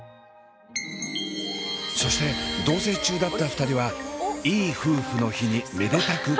そして同棲中だった２人はいい夫婦の日にめでたく結婚。